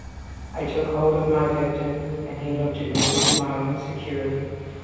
I took hold of my victim, and he looked at me with smiling security.